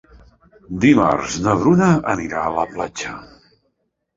Dimarts na Bruna anirà a la platja.